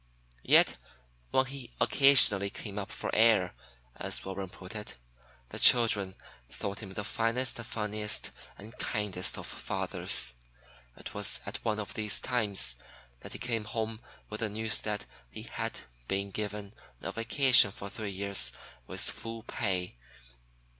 Yet when he occasionally "came up for air" as Warren put it, the children thought him the finest and funniest and kindest of fathers. It was at one of these times that he came home with the news that he had been given a vacation for three years with full pay.